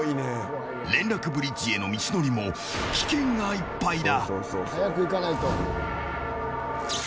連絡ブリッジへの道のりも危険がいっぱいだ。